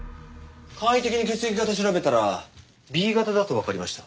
簡易的に血液型調べたらＢ型だとわかりました。